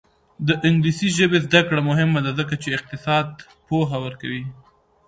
د انګلیسي ژبې زده کړه مهمه ده ځکه چې اقتصاد پوهه ورکوي.